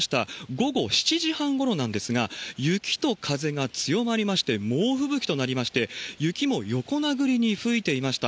午後７時半ごろなんですが、雪と風が強まりまして、猛吹雪となりまして、雪も横殴りに吹いていました。